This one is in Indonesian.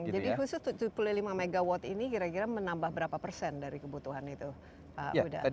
jadi khusus tujuh puluh lima megawatt ini kira kira menambah berapa persen dari kebutuhan itu pak uda